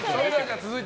続いて。